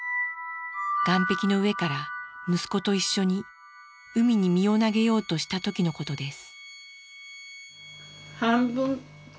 岸壁の上から息子と一緒に海に身を投げようとした時のことです。